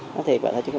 nói thiệt vậy thôi chứ